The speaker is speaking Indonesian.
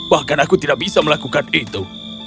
bahkan aku tidak bisa melakukan itu